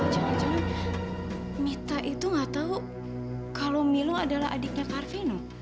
jangan jangan mita itu nggak tahu kalau milo adalah adiknya kak arvino